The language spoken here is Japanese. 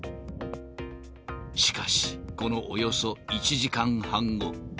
しかし、このおよそ１時間半後。